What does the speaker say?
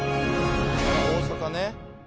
大阪ね。